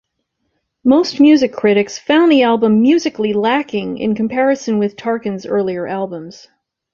Most music critics found the album musically lacking in comparison with Tarkan's earlier albums.